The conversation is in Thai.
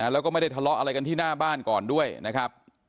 แล้วก็ไม่ได้ทะเลาะอะไรกันที่หน้าบ้านก่อนด้วยนะครับ